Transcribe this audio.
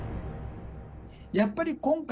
やっぱり今回、